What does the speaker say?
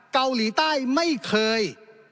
เกาหลีใต้ไม่เคย